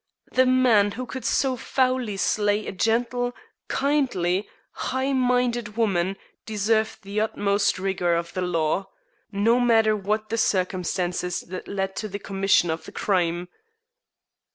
The man who could so foully slay a gentle, kindly, high minded woman deserved the utmost rigor of the law, no matter what the circumstances that led to the commission of the crime.